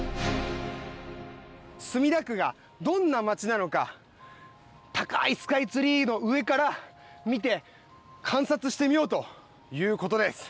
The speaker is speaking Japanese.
墨田区がどんな町なのか高いスカイツリーの上から見て観察してみようということです。